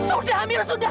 sudah amira sudah